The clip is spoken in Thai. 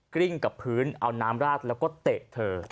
กริ้งกับพื้นเอาน้ำราดแล้วก็เตะเธอ